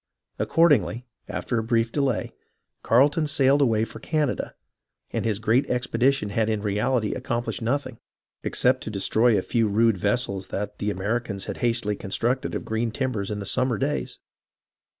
Accordingly, after a brief delay, Carleton sailed away for Canada, and his great expedition had in reality accom plished nothing except to destroy a few rude vessels that the Americans had hastily constructed of green timbers in the summer days.